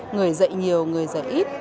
người dạy nhiều người dạy ít